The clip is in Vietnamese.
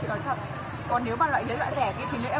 còn nếu mà loại giấy loại rẻ thì em lấy hội